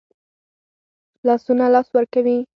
لاسونه لاس ورکوي